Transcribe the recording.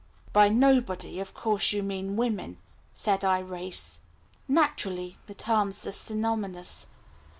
"By 'nobody' of course you mean women, said Irais. "Naturally; the terms are synonymous.